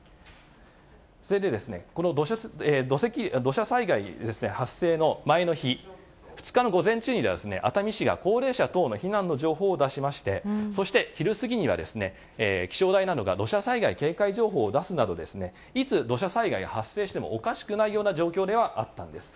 それで、この土砂災害発生の前の日、２日の午前中には、熱海市が高齢者等の避難の情報を出しまして、そして昼過ぎには、気象台などが土砂災害警戒情報を出すなど、いつ、土砂災害が発生してもおかしくないような状況ではあったんです。